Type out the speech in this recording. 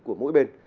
của mỗi bên